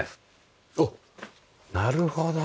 おっなるほど。